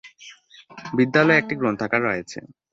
বিদ্যালয়ে একটি গ্রন্থাগার রয়েছে।